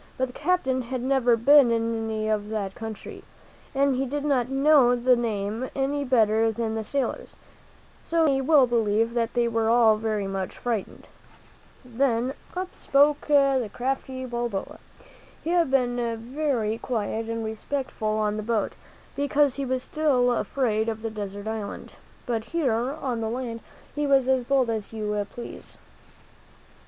But the captain had never been in any of that country, and he did not know the name any better than the sailors; so you may well believe that they were all very much frightened. Then up spoke ■^ iM. (d^ \3 31 THE MEN WHO FOUND AMERICA 7^, f^.!., ;;!>'■ i ;':^'^ ^Ml the crafty Balboa. He had been very quiet and respectful on the boat, because he was still afraid of the desert island; but here on the land he was as bold as you please.